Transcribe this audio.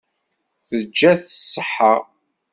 Teǧǧa-t ṣṣeḥḥa.